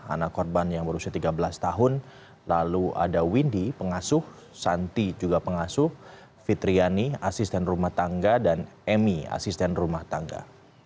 anak korban yang berusia tiga belas tahun lalu ada windy pengasuh santi juga pengasuh fitriani asisten rumah tangga dan emi asisten rumah tangga